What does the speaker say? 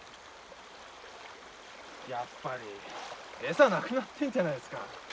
やっぱり餌なくなってんじゃないですか。